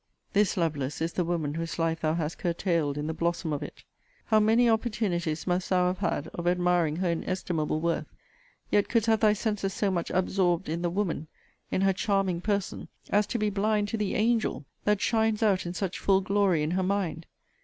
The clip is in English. This, Lovelace, is the woman whose life thou hast curtailed in the blossom of it! How many opportunities must thou have had of admiring her inestimable worth, yet couldst have thy senses so much absorbed in the WOMAN, in her charming person, as to be blind to the ANGEL, that shines out in such full glory in her mind!